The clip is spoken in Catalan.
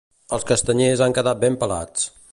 Els castanyers han quedat ben pelats.